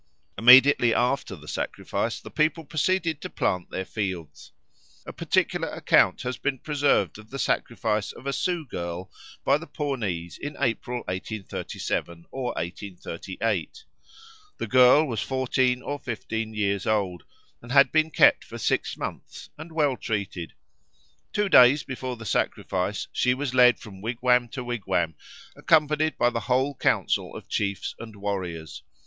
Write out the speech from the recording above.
Immediately after the sacrifice the people proceeded to plant their fields. A particular account has been preserved of the sacrifice of a Sioux girl by the Pawnees in April 1837 or 1838. The girl was fourteen or fifteen years old and had been kept for six months and well treated. Two days before the sacrifice she was led from wigwam to wigwam, accompanied by the whole council of chiefs and warriors.